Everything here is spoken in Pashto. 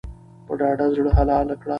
په ډاډه زړه حلال کړه.